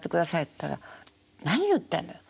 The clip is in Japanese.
ったら何言ってんだよ